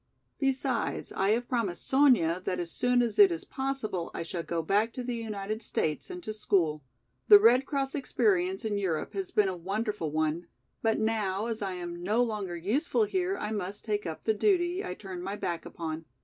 Besides, I have promised Sonya that as soon as it is possible I shall go back to the United States and to school. The Red Cross experience in Europe has been a wonderful one, but now, as I am no longer useful here I must take up the duty, I turned my back upon.